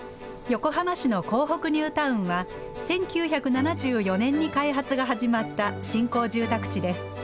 横浜市の港北ニュータウンは１９７４年に開発が始まった新興住宅地です。